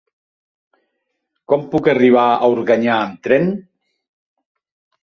Com puc arribar a Organyà amb tren?